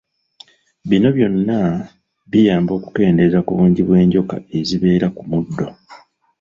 Bino byonna biyamba okukendeeza ku bungi bw’enjoka ezibeera ku muddo.